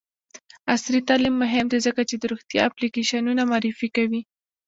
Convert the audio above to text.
عصري تعلیم مهم دی ځکه چې د روغتیا اپلیکیشنونه معرفي کوي.